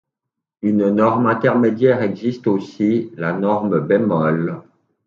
Une norme intermédiaire existe aussi, la norme bémol.